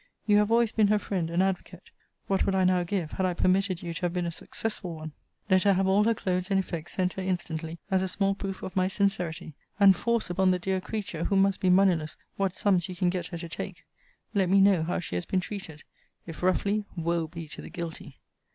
You have always been her friend and advocate. What would I now give, had I permitted you to have been a successful one! Let her have all her clothes and effects sent her instantly, as a small proof of my sincerity. And force upon the dear creature, who must be moneyless, what sums you can get her to take. Let me know how she has been treated. If roughly, woe be to the guilty!